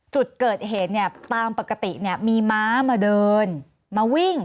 จุดเกิดเหตุเนี่ยตามปกติเนี่ยมีม้ามาเดินมาวิ่ง